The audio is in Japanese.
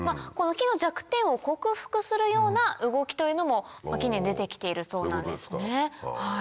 この木の弱点を克服するような動きというのも近年出て来ているそうなんですね。